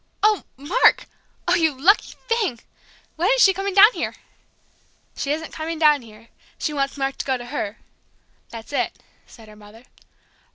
Oh, Mark! Oh, you lucky thing! When is she coming down here?" "She isn't coming down here she wants Mark to go to her that's it," said her mother.